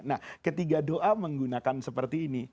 nah ketiga doa menggunakan seperti ini